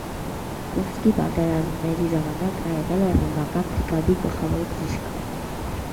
Կուրսկի պատերազմների ժամանակ նա եղել է ռազմական բրիգադի գլխավոր բժիշկ։